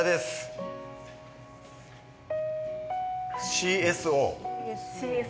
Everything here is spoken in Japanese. ＣＳＯ。